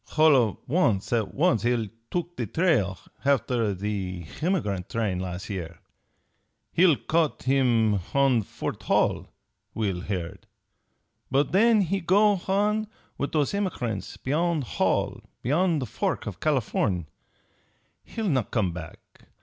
H'all of an' at once he'll took the trail h'after the h'emigrant train las' year. He'll caught him h'on Fort Hall; we'll heard. But then he go h'on with those h'emigrant beyon' Hall, beyon' the fork for Californ'. He'll not come back.